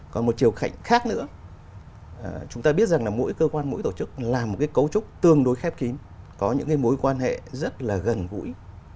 có một chiều khảnh khác nữa chúng ta biết rằng là mỗi cơ quan mỗi tổ chức làm một cái cấu trúc tương đối khép kín có những mối quan hệ rất là gần gũi